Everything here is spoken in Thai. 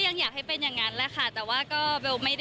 ยังอยากให้เป็นอย่างนั้นค่ะดังนั้นก็ไม่ได้ใจมากเท่าไหร่ค่ะ